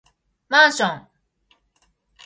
マンション